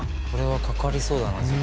これはかかりそうだな。